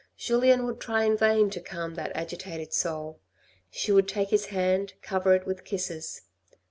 Julien would try in vain to calm that agitated soul. She would take his hand, cover it with kisses.